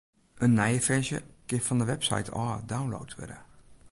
In nije ferzje kin fan de website ôf download wurde.